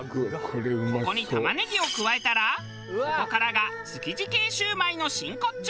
そこに玉ねぎを加えたらここからが築地系しゅうまいの真骨頂。